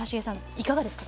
いかがですか？